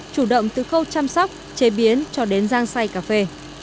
chủ động từ khâu chăm sóc chế biến cho đến rang xay cà phê